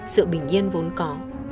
sự bình yên vốn có